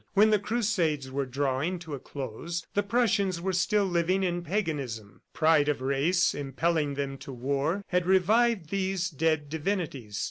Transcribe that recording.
When the Crusades were drawing to a close, the Prussians were still living in paganism. Pride of race, impelling them to war, had revived these dead divinities.